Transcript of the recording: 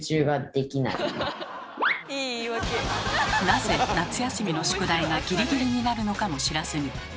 なぜ夏休みの宿題がギリギリになるのかも知らずに。